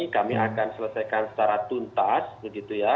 kami akan selesaikan secara tuntas begitu ya